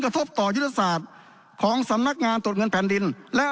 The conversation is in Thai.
ทบต่อยุทธศาสตร์ของสำนักงานตรวจเงินแผ่นดินและ